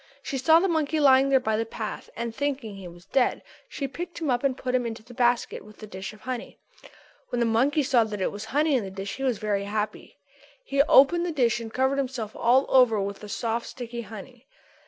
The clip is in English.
She saw the monkey lying there by the path and, thinking that he was dead, she picked him up and put him into the basket with the dish of honey. When the monkey saw that it was honey in the dish he was very happy. He opened the dish and covered himself all over with the soft sticky honey.